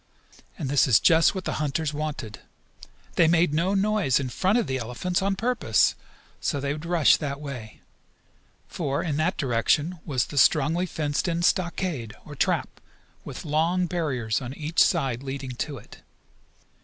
And this is just what the hunters wanted. They made no noise in front of the elephants on purpose so they would rush that way. For, in that direction, was the strongly fenced in stockade, or trap, with long barriers on each side leading to it.